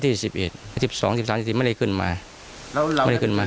ที่สิบเอ็ดสิบสองสิบสามสิบสี่ไม่ได้ขึ้นมาแล้วไม่ได้ขึ้นมา